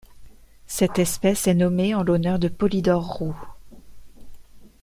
Cette espèce est nommée en l'honneur de Polydore Roux.